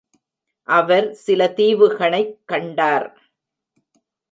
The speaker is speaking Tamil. அவர் சில தீவுகணைக் கண்டார்.